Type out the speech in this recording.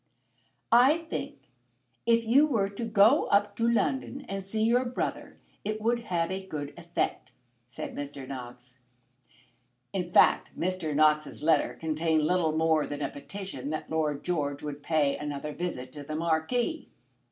"I think if you were to go up to London and see your brother it would have a good effect," said Mr. Knox. In fact Mr. Knox's letter contained little more than a petition that Lord George would pay another visit to the Marquis.